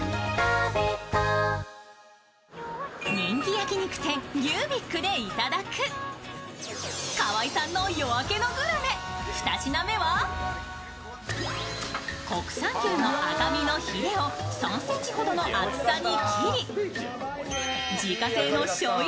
人気焼肉店ギュービッグでいただく、河合さんの夜明けのグルメ２品目は国産牛の赤身のヒレを３ｃｍほどの厚さに切り、自家製のしょうゆ